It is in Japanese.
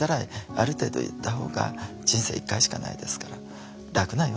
ある程度言ったほうが人生１回しかないですから楽なような気がしますね。